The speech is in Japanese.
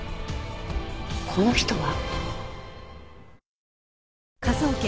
この人は。